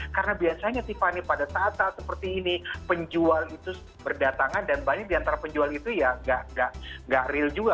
karena biasanya tiffany pada saat saat seperti ini penjual itu berdatangan dan banyak diantara penjual itu ya gak real juga